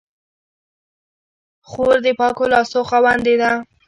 خور د پاکو لاسو خاوندې ده.